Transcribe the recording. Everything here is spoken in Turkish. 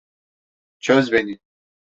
Çöz beni!